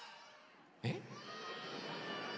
えっ。